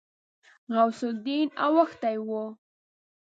غوث الدين اوښتی و.